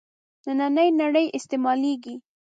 نننۍ نړۍ استعمالېږي.